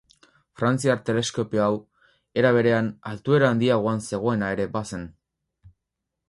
Frantziar teleskopio hau, era berean, altuera handiagoan zegoena ere bazen.